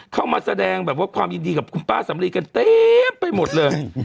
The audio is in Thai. เข้ามาแสดงแบบว่าความยินดีกับคุณป้าสำลีกันเต็มไปหมดเลย